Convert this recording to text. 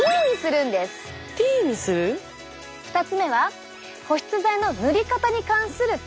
２つ目は保湿剤の塗り方に関するＴ！